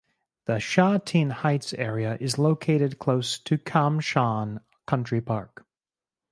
The Sha Tin Heights area is located close to Kam Shan Country Park.